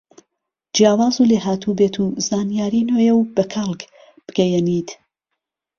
جیاواز و لێهاتووبیت و زانیاری نوێ و بە کەڵک بگەیەنیت